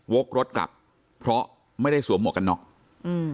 กรถกลับเพราะไม่ได้สวมหมวกกันน็อกอืม